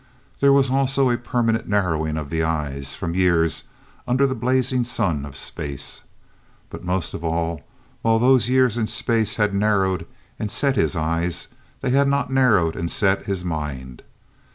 There was also a permanent narrowing of the eyes, from years under the blazing sun of space. But most of all, while those years in space had narrowed and set his eyes, they had not narrowed and set his mind.